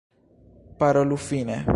Parolu fine!